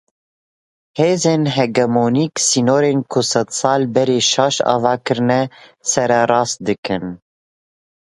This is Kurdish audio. Hêzên hegemonîk sînorên ku sedsal berê şaş ava kirine sererast dikin.